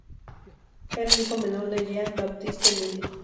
Era el hijo menor de Jean-Baptiste Lully.